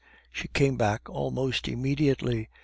She came back almost immediately.